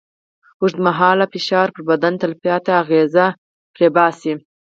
اوږدمهاله فشار پر بدن تلپاتې اغېزه پرېباسي.